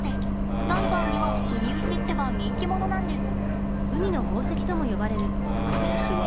ダイバーにはウミウシってば人気者なんです。